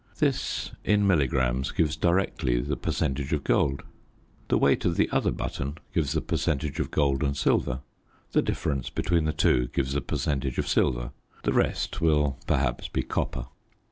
This, in milligrams, gives directly the percentage of gold. The weight of the other button gives the percentage of gold and silver; the difference between the two gives the percentage of silver. The rest will, perhaps, be copper.